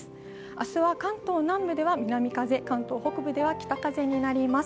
明日は関東南部では南風、関東北部では北風になります。